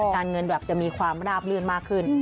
การเงินแบบจะมีความราบลื่นมากขึ้น